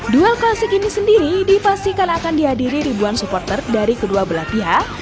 duel klasik ini sendiri dipastikan akan dihadiri ribuan supporter dari kedua belah pihak